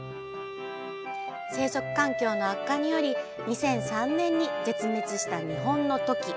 生息環境の悪化により２００３年に絶滅した日本のトキ。